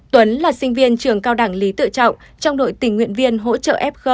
tuấn là sinh viên trường cao đẳng lý tự trọng trong đội tình nguyện viên hỗ trợ f